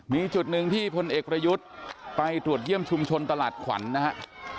มีจุดหนึ่งที่พลเอกประยุทธ์ไปตรวจเยี่ยมชุมชนตลาดขวัญนะครับ